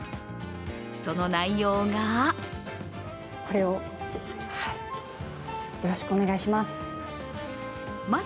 その内容がこれを、よろしくお願いします。